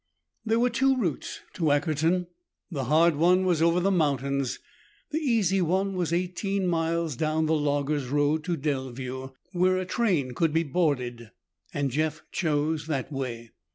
There were two routes to Ackerton. The hard one was over the mountains. The easy one was eighteen miles down the logger's road to Delview, where a train could be boarded, and Jeff chose that way.